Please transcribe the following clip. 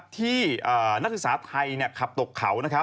ที่นักศึกษาไทยขับตกเขา